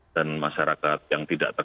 dan masyarakat yang tidak tertentu